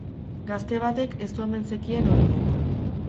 Gazte batek ez omen zekien hori dena.